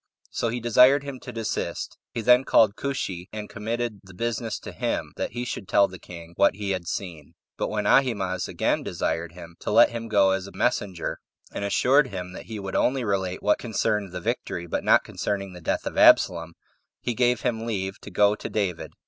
So he desired him to desist. He then called Cushi, and committed the business to him, that he should tell the king what he had seen. But when Ahimaaz again desired him to let him go as a messenger, and assured him that he would only relate what concerned the victory, but not concerning the death of Absalom, he gave him leave to go to David.